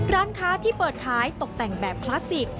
ร้านค้าที่เปิดขายตกแต่งแบบคลาสสิก